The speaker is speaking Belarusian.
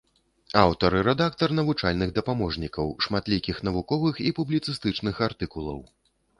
Аўтар і рэдактар навучальных дапаможнікаў, шматлікіх навуковых і публіцыстычных артыкулаў.